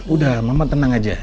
udah mama tenang aja